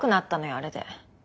あれで。